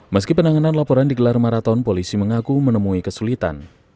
meski penanganan laporan digelar maraton polisi mengaku menemui kesulitan